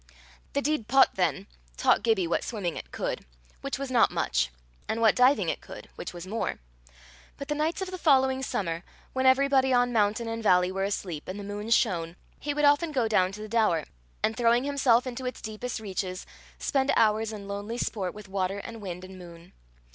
The Deid Pot, then, taught Gibbie what swimming it could, which was not much, and what diving it could, which was more; but the nights of the following summer, when everybody on mountain and valley were asleep, and the moon shone, he would often go down to the Daur, and throwing himself into its deepest reaches, spend hours in lonely sport with water and wind and moon.